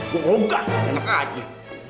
gua enggak enak aja